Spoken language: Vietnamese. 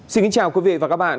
xin kính chào quý vị và các bạn